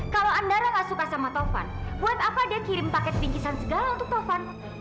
kalau andara gak suka sama tava buat apa dia kirim paket pingsan segala untuk tava